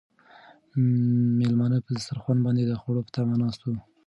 مېلمانه په دسترخوان باندې د خوړو په تمه ناست وو.